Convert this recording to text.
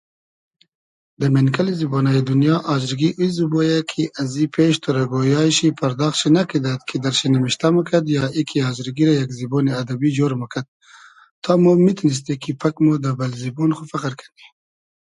دۂ مېنکئلی زیبۉنایی دونیا آزرگی او زیبۉ یۂ کی ازی پېش تۉرۂ گۉیای شی پئرداخت شی نئکیدئد کی در شی نیمیشتۂ موکئد یا ای کی آزرگی رۂ یئگ زیبۉنی ادئبی جۉر موکئد تا مو میتینیستی کی پئگ مۉ دۂ بئل زیبۉن خو فئخر